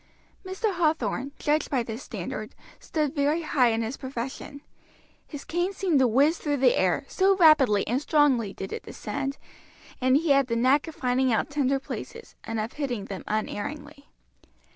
Mr. Hathorn, judged by this standard, stood very high in his profession; his cane seemed to whiz through the air, so rapidly and strongly did it descend, and he had the knack of finding out tender places, and of hitting them unerringly.